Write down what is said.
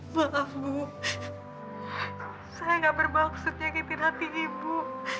maaf bu saya nggak bermaksud nyangitin hati ibu